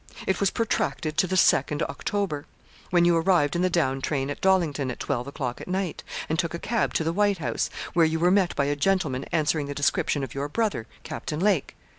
It was protracted to the 2nd October, when you arrived in the down train at Dollington at twelve o'clock at night, and took a cab to the "White House," where you were met by a gentleman answering the description of your brother, Captain Lake.